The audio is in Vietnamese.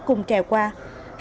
cùng treo qua ô tô bán tải